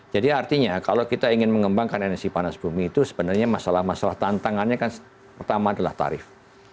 jadi artinya kalau kita ingin mengembangkan energi panas bumi itu sebenarnya masalah masalah tantangannya kan pertama adalah tarif